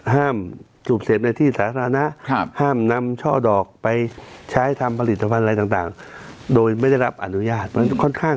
ห้ามสูบเสพในที่สาธารณะห้ามนำช่อดอกไปใช้ทำผลิตภัณฑ์อะไรต่างโดยไม่ได้รับอนุญาต